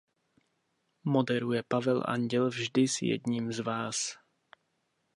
Moderuje Pavel Anděl vždy s jedním z vás.